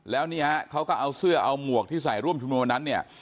แล้วนี่ฮะเขาก็เอาเสื้อเอาหมวกที่ใส่ร่วมชุมนุมวันนั้นเนี่ย